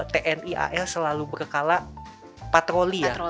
tni al selalu berkala patroli ya